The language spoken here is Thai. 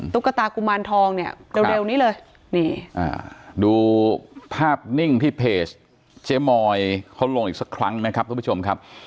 ตุ๊กตากุมารทองเนี่ยเร็วนี้เลยนี่ดูภาพนิ่งที่เพจเจ๊มอยเขาลงอีกสักครั้งนะครับทุกผู้ชมครับ